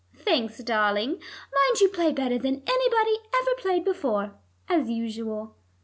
"Thanks, darling. Mind you play better than anybody ever played before, as usual."